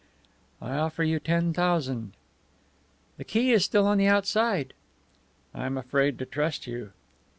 "I offer you ten thousand." "The key is still on the outside." "I'm afraid to trust you."